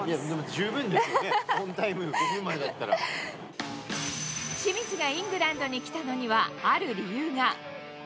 十分ですよね、オンタイム、清水がイングランドに来たのにはある理由が。